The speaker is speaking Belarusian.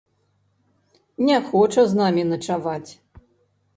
Не хоча з намі начаваць.